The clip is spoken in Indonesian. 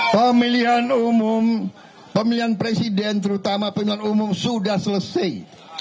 pemilihan umum pemilihan presiden terutama pemilihan umum sudah selesai